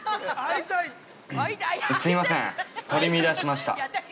すみません、取り乱しました。